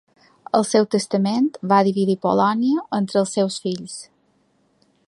Al seu testament, va dividir Polònia entre els seus fills.